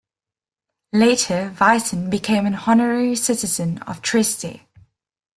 Later, Visin became an honorary citizen of Trieste.